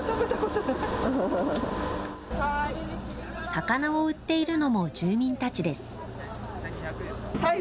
魚を売っているのも住民たちです。